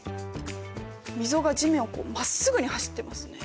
溝が地面をまっすぐに走ってますね。